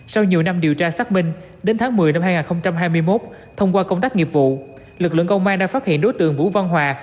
sau nhiều năm điều tra xác minh đến tháng một mươi năm hai nghìn hai mươi một thông qua công tác nghiệp vụ lực lượng công an đã phát hiện đối tượng vũ văn hòa